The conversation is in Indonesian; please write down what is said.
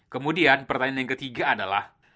kemudian pertanyaan yang ketiga adalah